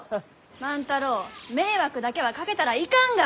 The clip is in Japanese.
万太郎迷惑だけはかけたらいかんが！